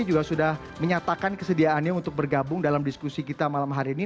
juga sudah menyatakan kesediaannya untuk bergabung dalam diskusi kita malam hari ini